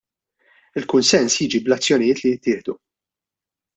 Il-kunsens jiġi bl-azzjonijiet li jittieħdu.